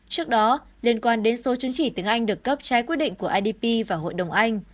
trước đó liên quan đến số chứng chỉ tiếng anh được cấp trái quyết định của idp và hội đồng anh